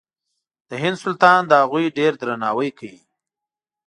د هند سلطان د هغوی ډېر درناوی کوي.